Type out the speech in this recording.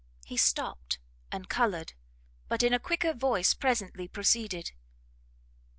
He stopt and coloured, but in a quicker voice presently proceeded.